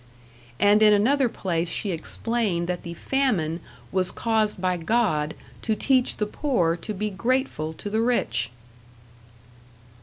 And in another place she explained that the famine was caused by God to teach the poor to be grateful to the rich!